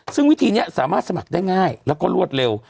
ซึ่งวิธีนี้สามารถสมัครได้ง่ายแล้วก็รวดเร็ว